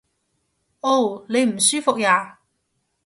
嗷！你唔舒服呀？